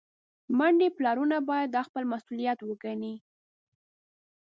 میندې، پلرونه باید دا خپل مسؤلیت وګڼي.